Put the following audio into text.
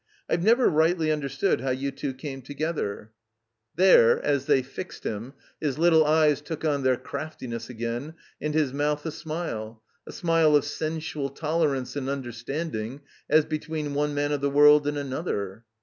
I've never rightly tmder stood how you two came together." 288 THE COMBINED MAZE There, as they fixed him, his little eyes took on their craftiness again and his mouth a smile, a snule of sensual tolerance and tmderstanding, as between one man of the world and another.